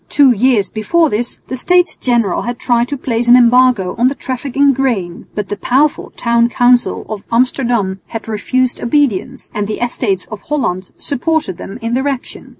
Two years before this the States General had tried to place an embargo on the traffic in grain, but the powerful town council of Amsterdam had refused obedience and the Estates of Holland supported them in their action.